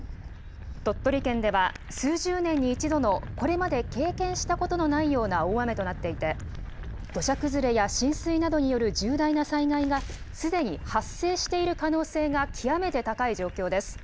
鳥取県では、数十年に一度のこれまで経験したことのないような大雨となっていて、土砂崩れや浸水などによる重大な災害が、すでに発生している可能性が極めて高い状況です。